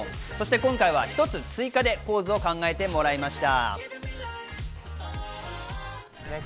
今回は１つ追加でポーズを考えてもらいました。